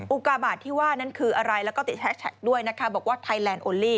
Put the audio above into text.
อุกาบาทที่ว่านั้นคืออะไรแล้วก็ติดแฮชแท็กด้วยนะคะบอกว่าไทยแลนดโอลี่